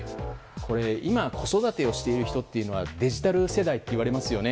今、子育てをしている人というのはデジタル世代といわれますよね。